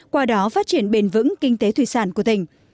qua đó phát triển bền vững kinh tế thủy sản của tỉnh